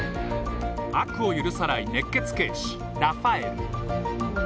悪を許さない熱血警視ラファエル。